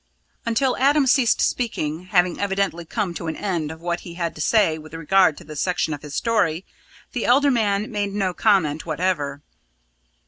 Until Adam ceased speaking, having evidently come to an end of what he had to say with regard to this section of his story, the elder man made no comment whatever.